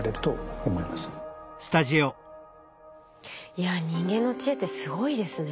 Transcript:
いや人間の知恵ってすごいですね。